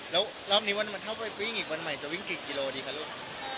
แล้วรอบนี้มันเท่าไปวิ่งอีกวันใหม่จะวิ่งกี่กิโลดีคะลูก